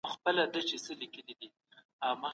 د نورو مالونه په غصب مه اخلئ.